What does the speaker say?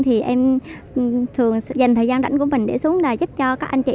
thì em thường dành thời gian rảnh của mình để xuống là giúp cho các anh chị